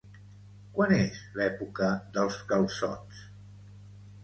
Quan és l'època dels calçots?